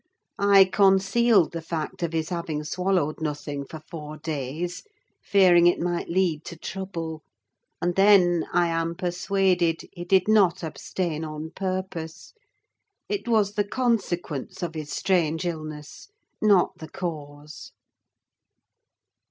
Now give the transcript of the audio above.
I concealed the fact of his having swallowed nothing for four days, fearing it might lead to trouble, and then, I am persuaded, he did not abstain on purpose: it was the consequence of his strange illness, not the cause.